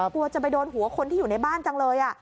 กลัวจะไปโดนหัวคนที่อยู่ในบ้านจังเลย